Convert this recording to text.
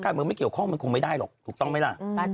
การเมืองไม่เกี่ยวข้องมันคงไม่ได้หรอกถูกต้องไหมล่ะ